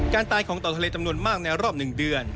การตายของเตาทะเลจำนวนมากในรอบหนึ่งเดือน